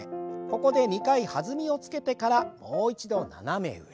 ここで２回弾みをつけてからもう一度斜め上。